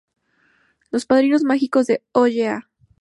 Los Padrinos Mágicos de Oh Yeah!